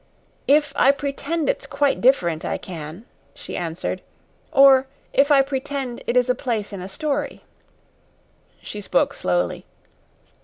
"If I pretend it's quite different, I can," she answered; "or if I pretend it is a place in a story." She spoke slowly.